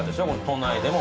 都内でも。